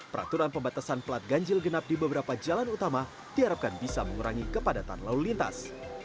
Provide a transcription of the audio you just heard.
peraturan pembatasan pelat ganjil genap di beberapa jalan utama diharapkan bisa mengurangi kepadatan lalu lintas